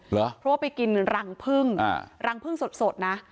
เพราะว่าไปกินรังพึ่งรังพึ่งสดนะ